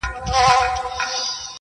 • سړي ښخ کئ سپي د کلي هدیره کي..